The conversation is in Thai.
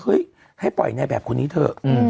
เฮ้ยให้ปล่อยแบบคุณนี้เถอะ